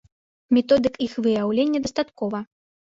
Методык іх выяўлення дастаткова.